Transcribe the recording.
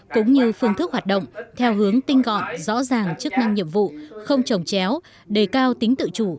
cũng như phương thức hoạt động theo hướng tinh gọn rõ ràng chức năng nhiệm vụ không trồng chéo đề cao tính tự chủ